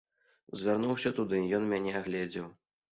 Звярнуўся туды, ён мяне агледзеў.